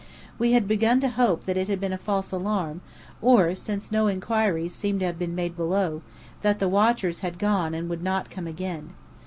We had begun to hope that it had been a false alarm, or, since no inquiries seemed to have been made below, that the watchers had gone and would not come again.